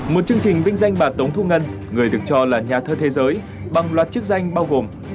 một chương trình vinh danh bà tống thu ngân người được cho là nhà thơ thế giới bằng loạt chức danh bao gồm